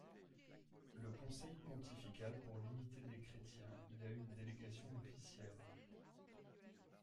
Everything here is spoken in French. Le conseil pontifical pour l'unité des chrétiens y a une délégation officielle.